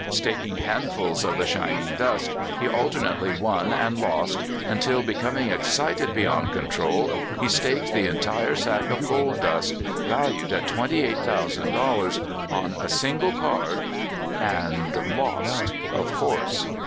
Staking handfuls of the shining dust, he alternately won and lost, until, becoming excited beyond control, he staked the entire sack of gold dust, valued at twenty eight thousand dollars, on a single card, and — lost, of course.